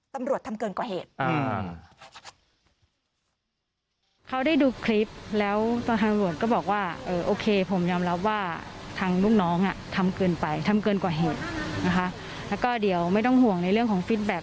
ตำรวจทำเกินกว่าเหตุ